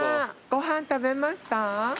ご飯食べました？